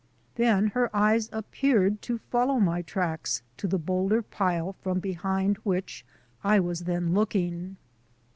Then her eyes appeared to follow my tracks to the boulder pile from behind which I was then looking.